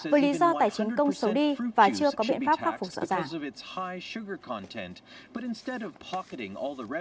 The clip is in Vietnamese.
với lý do tài chính công xấu đi và chưa có biện pháp khắc phục rõ ràng